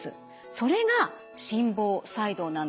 それが心房細動なんです。